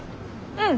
うん。